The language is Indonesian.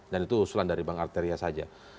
dan itu usulan dari bang arteria saja